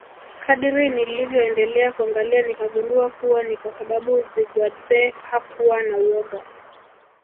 kadiri nilivyoendelea kuangalia nikagundua kuwa ni kwa sababu Zigwadzee hakua na uoga